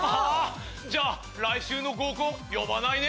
じゃあ来週の合コン呼ばないね。